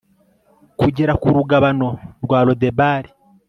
kugera ku rugabano rwa lodebari